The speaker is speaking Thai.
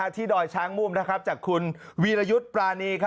ดอยช้างมุมจากคุณวีรยุทธ์ปรานี